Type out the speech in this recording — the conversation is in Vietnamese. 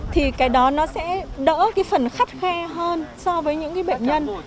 thì cái đó nó sẽ đỡ cái phần khắt khe hơn so với những bệnh nhân